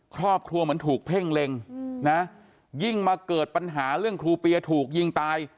ครอบครัวเหมือนถูกเพ่งเล็งนะยิ่งมาเกิดปัญหาเรื่องครูเปียถูกยิงตาย